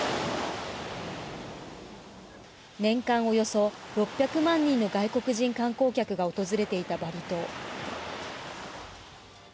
年間およそ６００万人の外国人観光客が訪れていたバリ島。